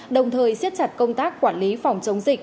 đồng thời siết chặt công tác quản lý phòng chống dịch